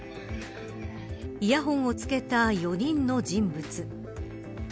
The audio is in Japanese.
イヤホンを着けた４人の人物。